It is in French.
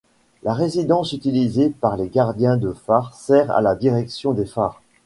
La résidence utilisée par les gardiens de phare sert à la Direction des phares.